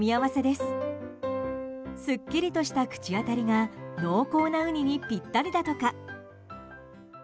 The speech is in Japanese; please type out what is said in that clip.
すっきりとした口当たりが濃厚なウニにぴったりだとか。